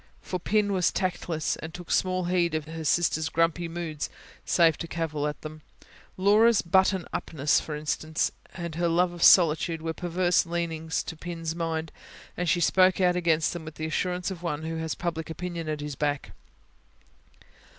For Pin was tactless, and took small heed of her sister's grumpy moods, save to cavil at them. Laura's buttoned upness, for instance, and her love of solitude, were perverse leanings to Pin's mind; and she spoke out against them with the assurance of one who has public opinion at his back.